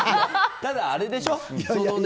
ただ、あれでしょ